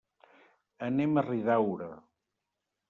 Anem a Riudaura.